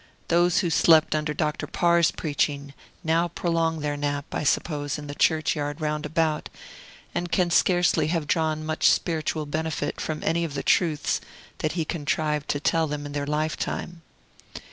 Those who slept under Dr. Parr's preaching now prolong their nap, I suppose, in the churchyard round about, and can scarcely have drawn much spiritual benefit from any truths that he contrived to tell them in their lifetime.